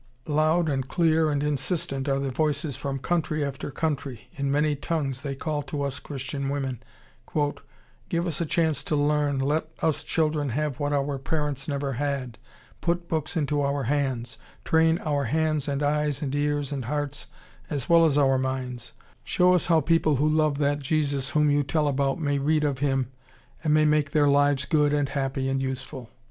Loud and clear and insistent are the voices from country after country. In many tongues they call to us Christian women, "Give us a chance to learn, let us children have what our parents never had, put books into our hands, train our hands and eyes and ears and hearts as well as our minds, show us how people who love that Jesus whom you tell about may read of Him and may make their lives good and happy and useful!"